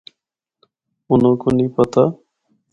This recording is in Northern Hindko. اُنّاں کو نیں پتہ۔